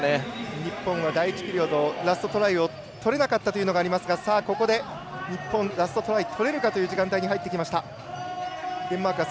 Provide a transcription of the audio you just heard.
日本が第１ピリオドラストトライを取れなかったというのがありましたがここで日本、ラストトライとれるかという時間帯。